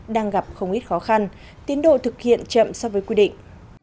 đang gặp không ít khó khăn tiến độ thực hiện chậm so với quy định